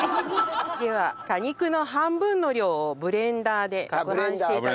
では果肉の半分の量をブレンダーで攪拌して頂いて。